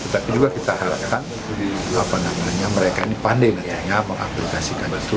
tapi juga kita harapkan mereka ini pandai mengaplikasikan itu